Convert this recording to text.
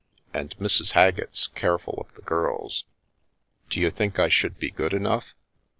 And Mrs. Haggett's careful of the girls." "D'you think I should be good enough?